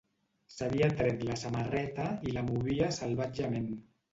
S'havia tret la samarreta i la movia salvatgement.